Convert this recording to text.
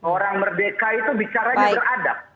orang merdeka itu bicaranya beradab